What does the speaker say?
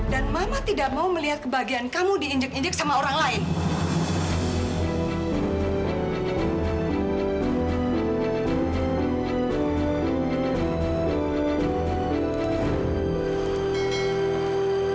dan mama tidak mau melihat kebahagiaan kamu diinjek injek sama orang lain